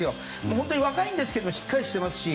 本当に若いんですけどしっかりしていますし。